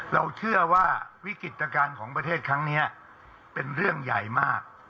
เราเชื่อว่าวิกฤตการณ์ของประเทศครั้งนี้เป็นเรื่องใหญ่มาก